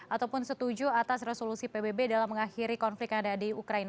ataupun setuju atas resolusi pbb dalam mengakhiri konflik yang ada di ukraina